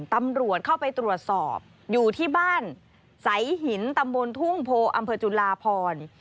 ตำรวจเข้าไปตรวจสอบอยู่ที่บ้านสายหินตำบลทุ่งโพอำเภอจุลาพร